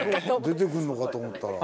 出てくるのかと思ったら。